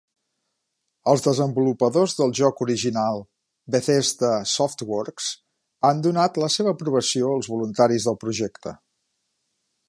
Els desenvolupadors de jocs original, Bethesda Softworks, han donat la seva aprovació als voluntaris del projecte.